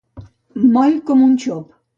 Moll com un xop.